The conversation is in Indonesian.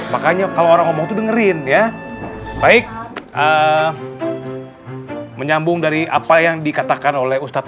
makanya kalau orang ngomong tuh dengerin ya baik menyambung dari apa yang dikatakan oleh ustadz